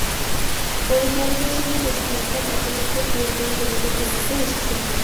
ফরিদ নাবিরের সঙ্গে বেশ কয়েকবার দেখা করতে পিওটর হলিডে প্লানেটে এসেছিলেন।